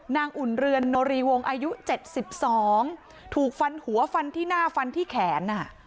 นางอุ่นเรือนโนรีวงอายุเจ็ดสิบสองถูกฟันหัวฟันที่หน้าฟันที่แขนอ่ะ